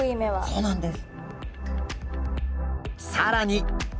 そうなんです。